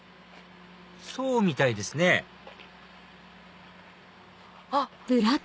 そうみたいですねあっ！